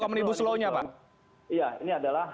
omnibus law nya pak ya ini adalah